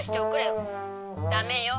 ダメよ。